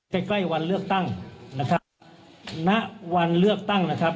ใกล้ใกล้วันเลือกตั้งนะครับณวันเลือกตั้งนะครับ